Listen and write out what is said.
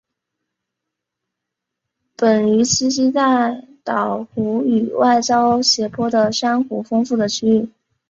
本鱼栖息在舄湖与外礁斜坡的珊瑚丰富的区域。